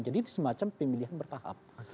jadi semacam pemilihan bertahap